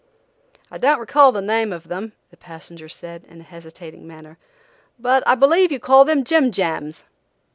"I don't recall the name of them," the passenger said, in a hesitating manner, "but I believe you call them Jim Jams!"